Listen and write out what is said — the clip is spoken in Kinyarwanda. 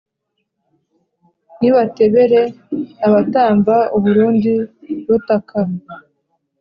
nibatebere abatamba u burundi rutaka,